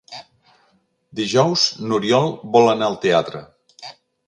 Dijous n'Oriol vol anar al teatre.